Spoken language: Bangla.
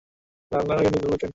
এইকো, এই হলো গেনিয়া, নতুন এসেছে।